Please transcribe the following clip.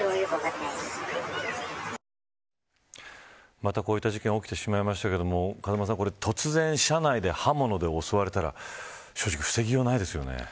またこういった事件が起きてしまいましたけれども風間さん、突然車内で刃物で襲われたら正直、防ぎようがないですよね。